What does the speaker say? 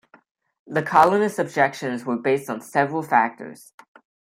The colonists' objections were based on several factors.